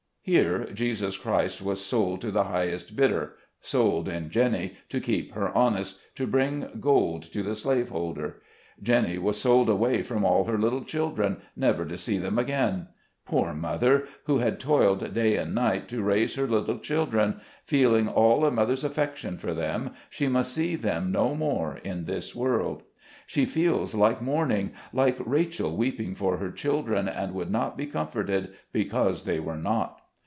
Here Jesus Christ was sold to the highest bidder ; sold in Jenny to keep her honest, to bring gold to the slave holder. Jenny was sold away from all her little children, never to see them again. Poor mother ! who had toiled day and night to raise her little children, feeling all a mother's affection for them, she must see them no more in this world ! She feels like mourning — "like Rachel weeping for her children, and would not be comforted, because they were not."